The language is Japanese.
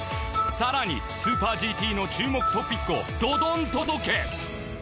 更にスーパーＧＴの注目トピックをどどんとお届け